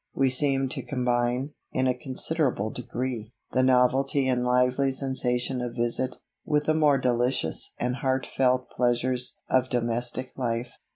We seemed to combine, in a considerable degree, the novelty and lively sensation of visit, with the more delicious and heart felt pleasures of domestic life.